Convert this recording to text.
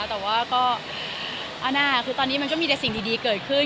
แต่ว่าก็คือตอนนี้มันก็มีแต่สิ่งดีเกิดขึ้น